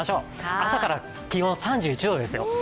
朝から気温３１度ですよ。